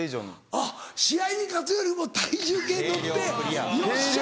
あっ試合に勝つよりも体重計に乗ってよっしゃ！